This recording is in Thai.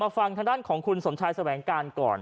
ฟังทางด้านของคุณสมชายแสวงการก่อน